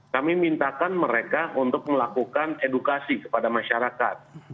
kami mintakan mereka untuk melakukan edukasi kepada masyarakat